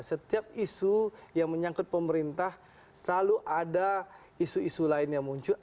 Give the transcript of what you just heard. setiap isu yang menyangkut pemerintah selalu ada isu isu lain yang muncul